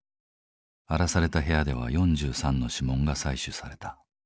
荒らされた部屋では４３の指紋が採取された。